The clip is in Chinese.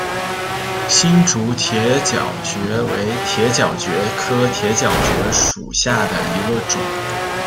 新竹铁角蕨为铁角蕨科铁角蕨属下的一个种。